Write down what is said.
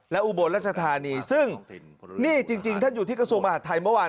และอุบลรัชธานีซึ่งนี่จริงท่านอยู่ที่กระทรวงมหาดไทยเมื่อวาน